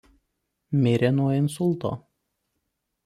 Mirė nuo insulto.